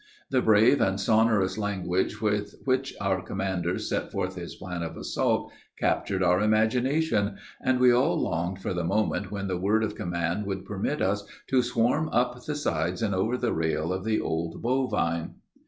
The brave and sonorous language with which our commander set forth his plan of assault captured our imaginations, and we all longed for the moment when the word of command should permit us to swarm up the sides and over the rail of the old bovine.